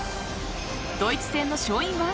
ドイツ戦の勝因は。